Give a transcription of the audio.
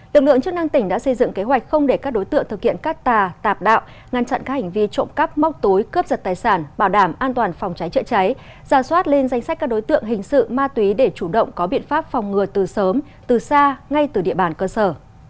lực lượng chức năng tỉnh đã xây dựng kế hoạch không để các đối tượng thực hiện cắt tà tạp đạo ngăn chặn các hành vi trộm cắp móc tối cướp giật tài sản bảo đảm an toàn phòng cháy chữa cháy giả soát lên danh sách các đối tượng hình sự ma túy để chủ động có biện pháp phòng ngừa từ sớm từ xa ngay từ địa bàn cơ sở